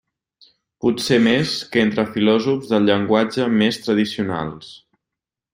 Potser més que entre filòsofs del llenguatge més tradicionals.